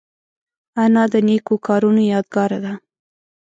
انا د نیکو کارونو یادګار ده